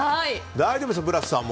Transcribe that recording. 大丈夫ですか、ブラスさん